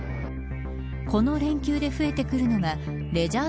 この連休で増えてくるのがレジャー